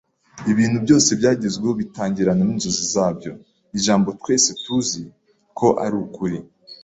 "Ibintu byose byagezweho bitangirana ninzozi zabyo," ni ijambo twese tuzi ko ari ukuri.